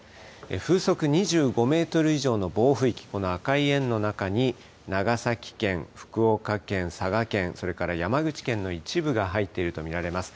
風速２５メートル以上の暴風域、この赤い円の中に長崎県、福岡県、佐賀県、それから山口県の一部が入っていると見られます。